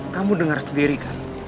kamu denger sendiri kan